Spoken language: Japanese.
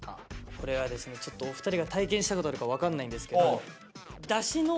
これはですねちょっとお二人が体験したことあるか分かんないんですけど